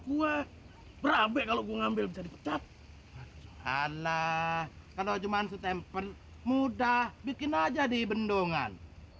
gue berabe kalau gue ngambil jadi pecat adalah kalau cuman setempel muda bikin aja di bendongan